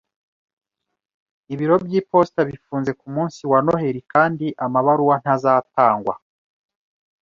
Ibiro by'iposita bifunze kumunsi wa Noheri kandi amabaruwa ntazatangwa.